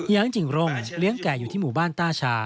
จริงร่มเลี้ยงไก่อยู่ที่หมู่บ้านต้าชา